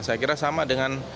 saya kira sama dengan